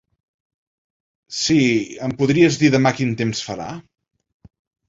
Si, em podries dir demà quin temps farà?